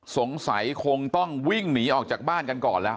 สงสัยคงต้องวิ่งหนีออกจากบ้านกันก่อนแล้ว